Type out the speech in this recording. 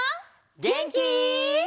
げんき？